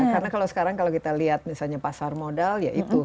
karena kalau sekarang kalau kita lihat misalnya pasar modal ya itu